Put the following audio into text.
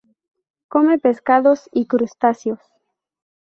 Come pescados y crustáceos.